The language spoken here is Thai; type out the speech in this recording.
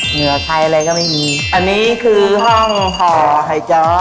เหงื่อใครอะไรก็ไม่มีอันนี้คือห้องห่อไข่จ้อ